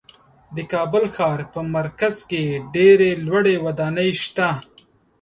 د کابل ښار په مرکز کې ډېرې لوړې ودانۍ شته.